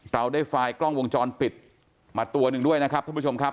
เราได้ไฟล์กล้องวงจรปิดมาตัวหนึ่งด้วยนะครับท่านผู้ชมครับ